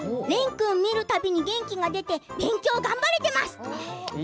廉君、見るたびに元気が出て勉強、頑張れています。